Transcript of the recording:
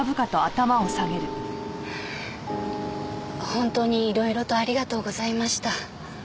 本当にいろいろとありがとうございました。